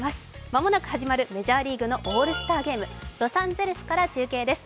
間もなく始まるメジャーリーグのオールスターゲーム、ロサンゼルスから中継です。